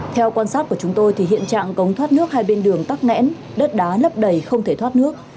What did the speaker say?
theo quan sát của chúng tôi thì hiện trạng cống thoát nước hai bên đường tắc nghẽn đất đá lấp đầy không thể thoát nước